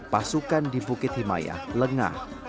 pasukan di bukit himayah lengah